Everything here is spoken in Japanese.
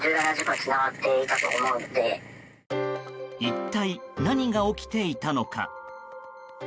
一体何が起きていたのか。